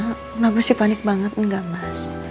kenapa sih panik banget enggak mas